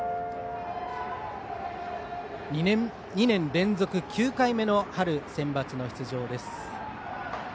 ２年連続９回目の春センバツ出場です。